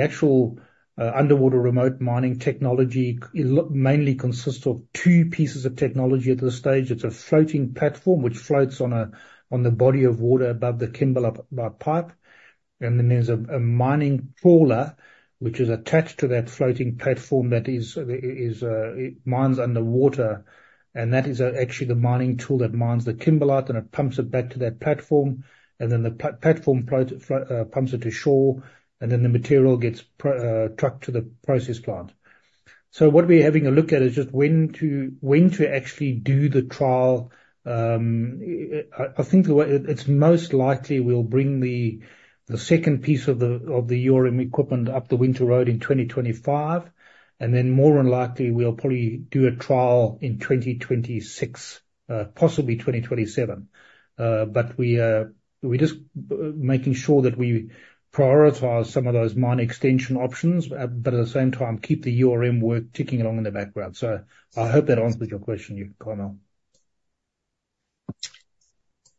[SPEAKER 2] actual underwater remote mining technology it look mainly consists of two pieces of technology at this stage. It's a floating platform, which floats on the body of water above the kimberlite pipe. And then there's a mining crawler, which is attached to that floating platform, that is, it mines underwater, and that is actually the mining tool that mines the kimberlite, and it pumps it back to that platform. And then the floating platform pumps it to shore, and then the material gets trucked to the process plant. So what we're having a look at is just when to actually do the trial. I think it's most likely we'll bring the second piece of the URM equipment up the winter road in 2025, and then more than likely, we'll probably do a trial in 2026, possibly 2027. But we're just making sure that we prioritize some of those mine extension options, but at the same time, keep the URM work ticking along in the background. So I hope that answers your question, Kamal.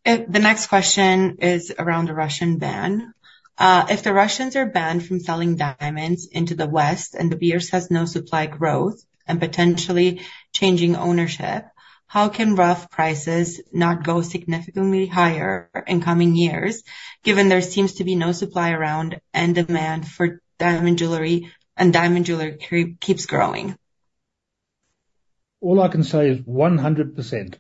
[SPEAKER 1] The next question is around the Russian ban. If the Russians are banned from selling diamonds into the West, and De Beers has no supply growth and potentially changing ownership, how can rough prices not go significantly higher in coming years, given there seems to be no supply around, and demand for diamond jewelry keeps growing?
[SPEAKER 2] All I can say is 100%.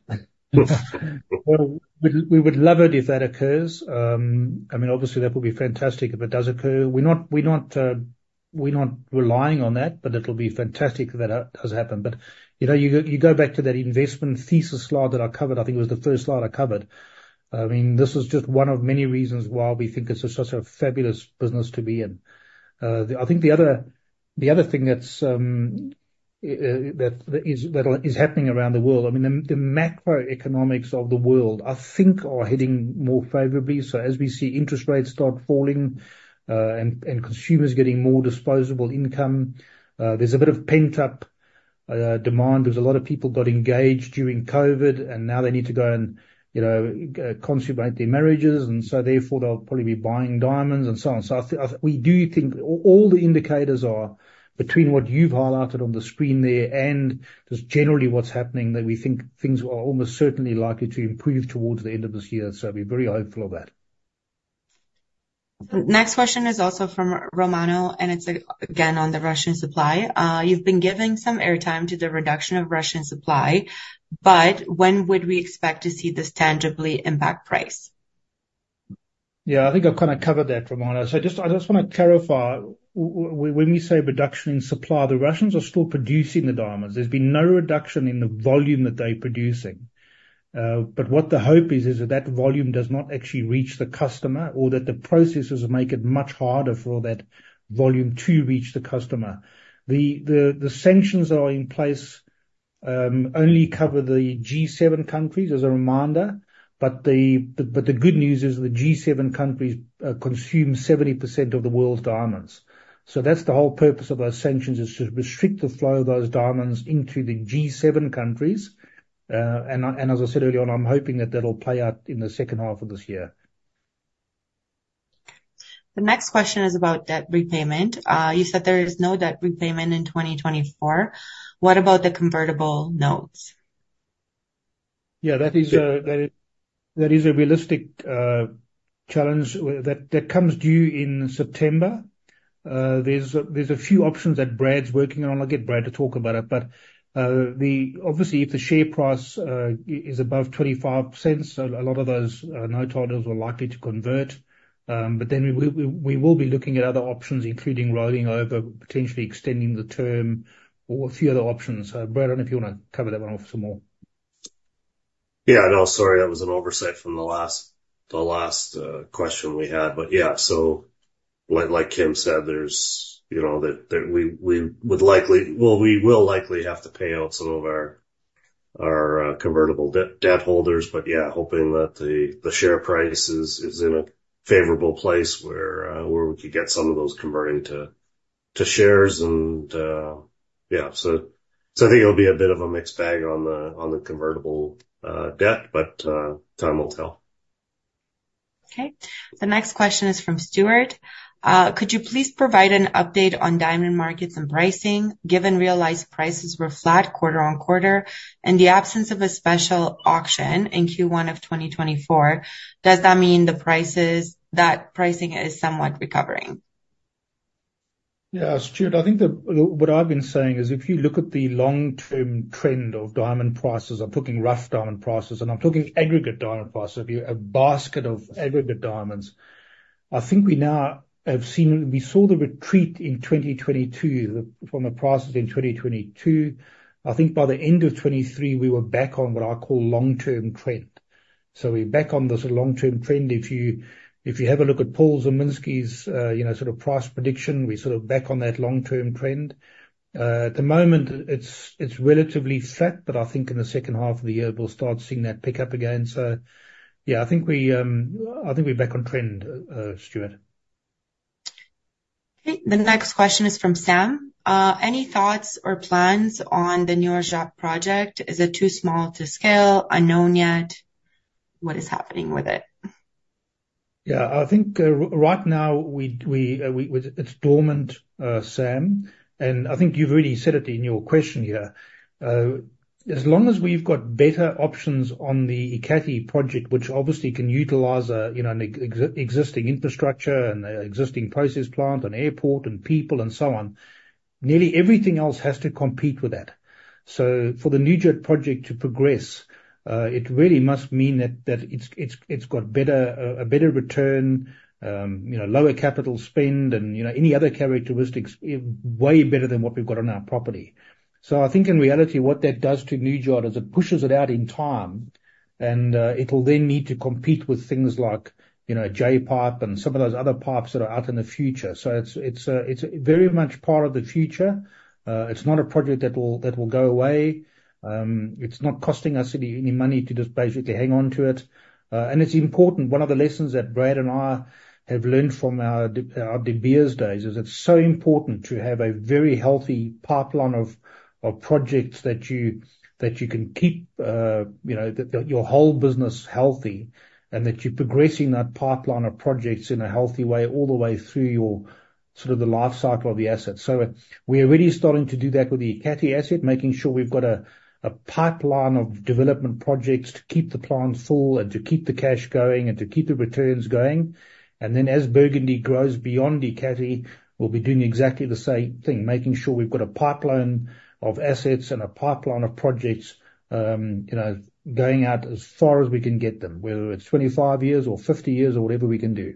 [SPEAKER 2] Well, we would love it if that occurs. I mean, obviously, that would be fantastic if it does occur. We're not relying on that, but it'll be fantastic if that does happen. But, you know, you go back to that investment thesis slide that I covered, I think it was the first slide I covered. I mean, this is just one of many reasons why we think it's such a fabulous business to be in. I think the other thing that's happening around the world, I mean, the macroeconomics of the world, I think, are heading more favorably. So as we see interest rates start falling, and consumers getting more disposable income, there's a bit of pent-up demand. There's a lot of people got engaged during COVID, and now they need to go and, you know, consummate their marriages, and so therefore, they'll probably be buying diamonds, and so on. So we do think all the indicators are between what you've highlighted on the screen there, and just generally what's happening, that we think things are almost certainly likely to improve towards the end of this year, so we're very hopeful of that.
[SPEAKER 1] Next question is also from Romano, and it's again, on the Russian supply. You've been giving some airtime to the reduction of Russian supply, but when would we expect to see this tangibly impact price?
[SPEAKER 2] Yeah, I think I've kind of covered that, Romano. So just, I just wanna clarify, when we say reduction in supply, the Russians are still producing the diamonds. There's been no reduction in the volume that they're producing. But what the hope is, is that that volume does not actually reach the customer, or that the processes make it much harder for that volume to reach the customer. The sanctions are in place only cover the G7 countries, as a reminder, but the good news is the G7 countries consume 70% of the world's diamonds. So that's the whole purpose of those sanctions, is to restrict the flow of those diamonds into the G7 countries. And as I said earlier on, I'm hoping that that'll play out in the H2 of this year.
[SPEAKER 1] The next question is about debt repayment. You said there is no debt repayment in 2024. What about the convertible notes?
[SPEAKER 2] Yeah, that is a realistic challenge that comes due in September. There's a few options that Brad's working on. I'll get Brad to talk about it. But obviously, if the share price is above $0.25, a lot of those noteholders are likely to convert. But then we will be looking at other options, including rolling over, potentially extending the term or a few other options. So Brad, I don't know if you wanna cover that one off some more.
[SPEAKER 3] Yeah, no, sorry, that was an oversight from the last question we had. But yeah, so like Kim said, there's, you know, that we would likely- well, we will likely have to pay out some of our convertible debt holders, but yeah, hoping that the share price is in a favorable place where we could get some of those converting to shares. And yeah, so I think it'll be a bit of a mixed bag on the convertible debt, but time will tell.
[SPEAKER 1] Okay. The next question is from Stuart. Could you please provide an update on diamond markets and pricing, given realized prices were flat quarter-over-quarter, and the absence of a special auction in Q1 of 2024, does that mean the prices, that pricing is somewhat recovering?
[SPEAKER 2] Yeah, Stuart, I think what I've been saying is, if you look at the long-term trend of diamond prices, I'm talking rough diamond prices, and I'm talking aggregate diamond prices, if you have a basket of aggregate diamonds, I think we now have seen—we saw the retreat in 2022 from the prices in 2022. I think by the end of 2023, we were back on what I call long-term trend. So we're back on this long-term trend. If you have a look at Paul Zimnisky's, you know, sort of price prediction, we're sort of back on that long-term trend. At the moment, it's relatively flat, but I think in the second half of the year, we'll start seeing that pick up again. So yeah, I think we, I think we're back on trend, Stuart. ...
[SPEAKER 1] Okay, the next question is from Sam. Any thoughts or plans on the Naujaat project? Is it too small to scale, unknown yet? What is happening with it?
[SPEAKER 2] Yeah, I think right now, it's dormant, Sam, and I think you've really said it in your question here. As long as we've got better options on the Ekati project, which obviously can utilize, you know, an existing infrastructure and an existing process plant, an airport, and people and so on, nearly everything else has to compete with that. So for the Naujaat project to progress, it really must mean that it's got better, a better return, you know, lower capital spend, and, you know, any other characteristics way better than what we've got on our property. So I think in reality, what that does to Naujaat is it pushes it out in time, and, it'll then need to compete with things like, you know, Jay pipe and some of those other pipes that are out in the future. So it's very much part of the future. It's not a project that will go away. It's not costing us any money to just basically hang on to it. And it's important. One of the lessons that Brad and I have learned from our De Beers days is, it's so important to have a very healthy pipeline of projects that you can keep your whole business healthy, and that you're progressing that pipeline of projects in a healthy way, all the way through your sort of the life cycle of the asset. So we are already starting to do that with the Ekati asset, making sure we've got a pipeline of development projects to keep the plant full and to keep the cash going, and to keep the returns going. And then, as Burgundy grows beyond Ekati, we'll be doing exactly the same thing, making sure we've got a pipeline of assets and a pipeline of projects, you know, going out as far as we can get them, whether it's 25 years or 50 years, or whatever we can do.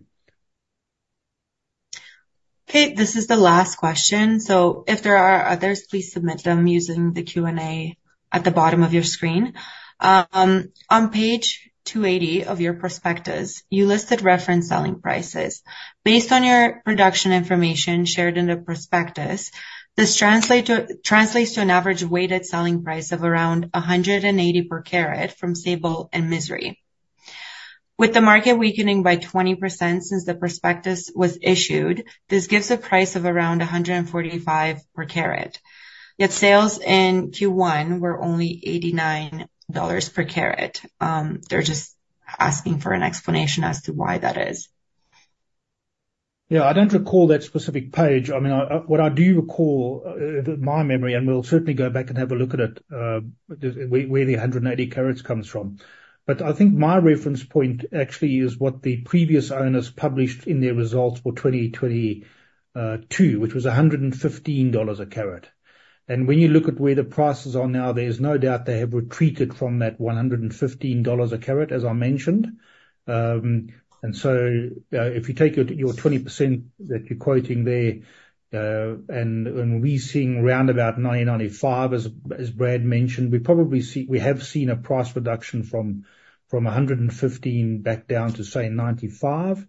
[SPEAKER 1] Okay, this is the last question, so if there are others, please submit them using the Q&A at the bottom of your screen. On page 280 of your prospectus, you listed reference selling prices. Based on your production information shared in the prospectus, this translates to an average weighted selling price of around $180 per carat from Sable and Misery. With the market weakening by 20% since the prospectus was issued, this gives a price of around $145 per carat, yet sales in Q1 were only $89 per carat. They're just asking for an explanation as to why that is.
[SPEAKER 2] Yeah, I don't recall that specific page. I mean, what I do recall, my memory, and we'll certainly go back and have a look at it, where the 180 carats comes from. But I think my reference point actually is what the previous owners published in their results for 2022, which was $115 a carat. And when you look at where the prices are now, there's no doubt they have retreated from that $115 a carat, as I mentioned. And so, if you take your 20% that you're quoting there, and we're seeing round about $90-$95, as Brad mentioned, we have seen a price reduction from $115 back down to, say, $95.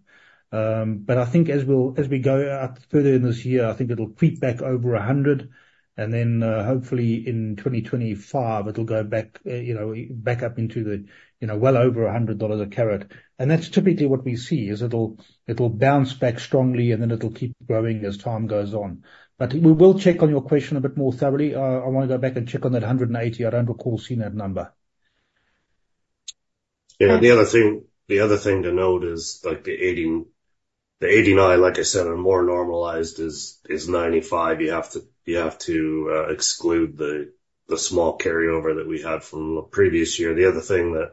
[SPEAKER 2] But I think as we go out further in this year, I think it'll creep back over $100, and then, hopefully in 2025, it'll go back, you know, back up into the, you know, well over $100 a carat. And that's typically what we see, is it'll, it'll bounce back strongly, and then it'll keep growing as time goes on. But we will check on your question a bit more thoroughly. I wanna go back and check on that $180. I don't recall seeing that number.
[SPEAKER 3] Yeah, the other thing, the other thing to note is, like the $80, the $89, like I said, are more normalized, is $95. You have to, you have to exclude the small carryover that we had from the previous year. The other thing, that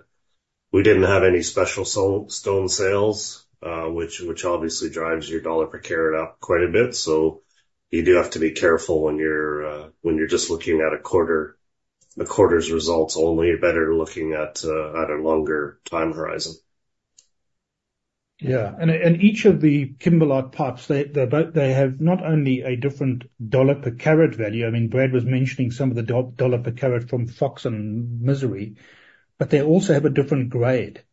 [SPEAKER 3] we didn't have any special stone sales, which obviously drives your $ per carat up quite a bit. So you do have to be careful when you're just looking at a quarter's results only. You're better looking at a longer time horizon.
[SPEAKER 2] Yeah, and each of the kimberlite pipes, they have not only a different $ per carat value, I mean, Brad was mentioning some of the $ per carat from Fox and Misery, but they also have a different grade.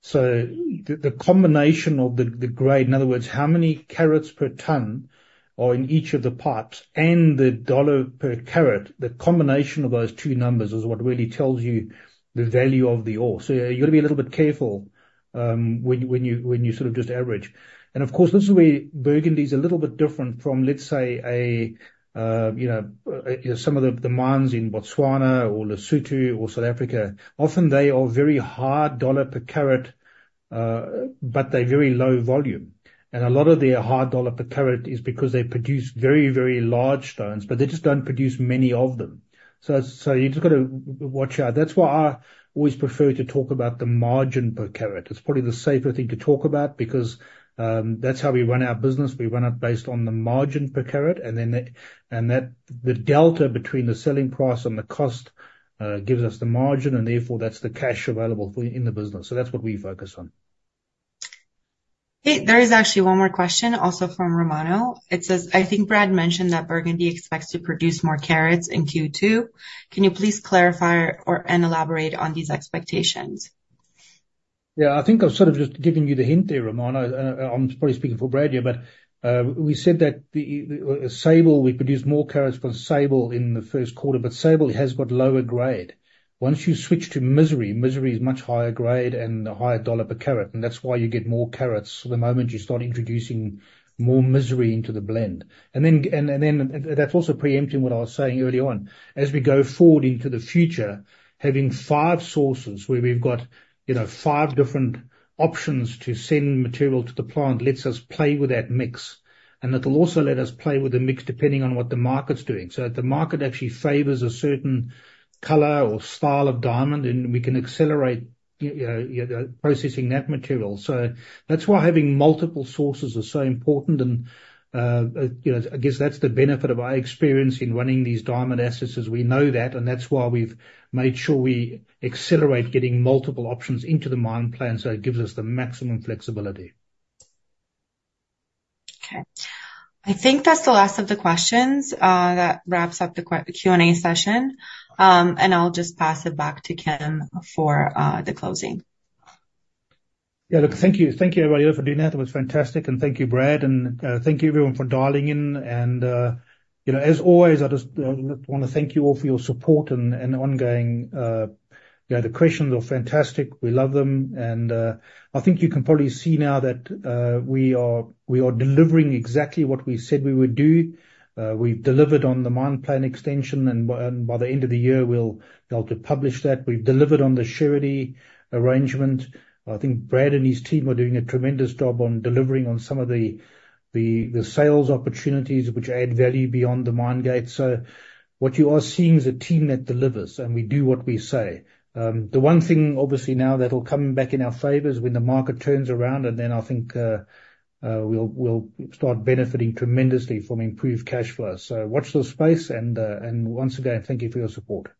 [SPEAKER 2] So the combination of the grade, in other words, how many carats per tonne are in each of the pipes, and the $ per carat, the combination of those two numbers is what really tells you the value of the ore. So you've gotta be a little bit careful, when you sort of just average. And of course, this is where Burgundy is a little bit different from, let's say, you know, some of the mines in Botswana or Lesotho or South Africa. Often, they are very hard $ per carat, but they're very low volume. And a lot of their hard $ per carat is because they produce very, very large stones, but they just don't produce many of them. So you've just gotta watch out. That's why I always prefer to talk about the margin per carat. It's probably the safer thing to talk about because that's how we run our business. We run it based on the margin per carat, and then and that, the delta between the selling price and the cost gives us the margin, and therefore, that's the cash available for in the business. So that's what we focus on.
[SPEAKER 1] Hey, there is actually one more question, also from Romano. It says: I think Brad mentioned that Burgundy expects to produce more carats in Q2. Can you please clarify or, and elaborate on these expectations?...
[SPEAKER 2] Yeah, I think I was sort of just giving you the hint there, Romano. I'm probably speaking for Brad here, but we said that the Sable, we produced more carats from Sable in the Q1, but Sable has got lower grade. Once you switch to Misery, Misery is much higher grade and a higher $ per carat, and that's why you get more carats the moment you start introducing more Misery into the blend. And then that's also preempting what I was saying early on. As we go forward into the future, having five sources where we've got, you know, five different options to send material to the plant, lets us play with that mix, and it'll also let us play with the mix depending on what the market's doing. So if the market actually favors a certain color or style of diamond, then we can accelerate, you know, processing that material. So that's why having multiple sources is so important. And, you know, I guess that's the benefit of our experience in running these diamond assets, is we know that, and that's why we've made sure we accelerate getting multiple options into the mine plan, so it gives us the maximum flexibility.
[SPEAKER 1] Okay. I think that's the last of the questions. That wraps up the Q&A session. And I'll just pass it back to Kim for the closing.
[SPEAKER 2] Yeah, look, thank you. Thank you, everybody, for doing that. It was fantastic. And thank you, Brad, and thank you, everyone, for dialing in. And you know, as always, I just wanna thank you all for your support and ongoing. You know, the questions are fantastic. We love them, and I think you can probably see now that we are delivering exactly what we said we would do. We've delivered on the mine plan extension, and by the end of the year, we'll be able to publish that. We've delivered on the surety arrangement. I think Brad and his team are doing a tremendous job on delivering on some of the sales opportunities which add value beyond the mine gate. So what you are seeing is a team that delivers, and we do what we say. The one thing, obviously, now that will come back in our favor is when the market turns around, and then I think we'll start benefiting tremendously from improved cash flow. So watch this space, and once again, thank you for your support.